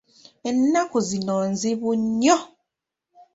Ennaku zino nzibu nnyo.